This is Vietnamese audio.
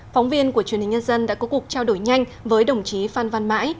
phóng viên của truyền hình nhân dân đã có cuộc trao đổi nhanh với đồng chí phan văn mãi